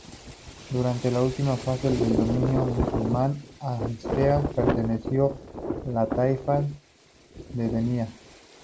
Durante la última fase del dominio musulmán, Altea perteneció a la taifa de Denia.